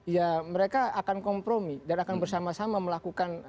ya mereka akan kompromi dan akan bersama sama melakukan